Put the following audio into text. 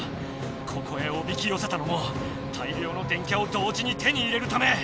ここへおびきよせたのも大りょうの電キャを同時に手に入れるため。